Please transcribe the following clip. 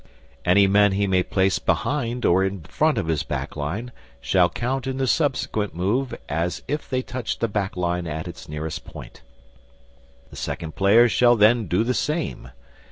Any men he may place behind or in front of his back line shall count in the subsequent move as if they touched the back line at its nearest point. The Second Player shall then do the same.